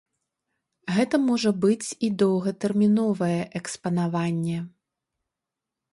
Гэта можа быць і доўгатэрміновае экспанаванне.